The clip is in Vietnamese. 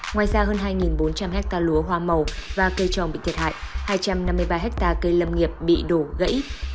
ngoài ra hơn hai bốn trăm linh hectare lúa hoa màu và cây trồng bị thiệt hại hai trăm năm mươi ba hectare cây lâm nghiệp bị đổ gãy